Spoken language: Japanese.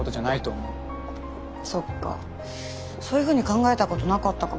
そういうふうに考えたことなかったかも。